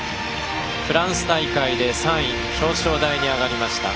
フランス大会で３位表彰台に上がりました。